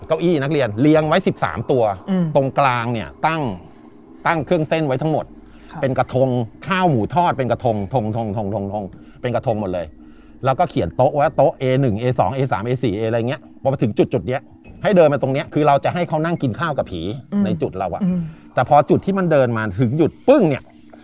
กินข้าวกับผีในจุดเราอ่ะแต่พอจุดที่มันเดินมาถึงหยุดปึ้งเนี่ย